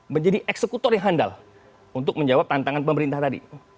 menjadi eksekutor yang handal untuk menjawab tantangan pemerintah tadi